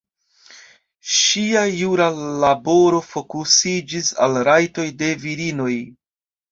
Ŝia jura laboro fokusiĝis al rajtoj de virinoj.